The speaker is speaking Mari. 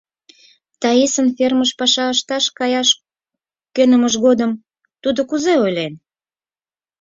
Таисын фермыш паша ышташ каяш кӧнымыж годым тудо кузе ойлен?